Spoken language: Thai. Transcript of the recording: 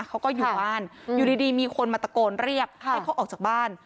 เขาก็อยู่บ้านอยู่ดีมีคนมาตะโกนเรียกให้เขาออกจากบ้าน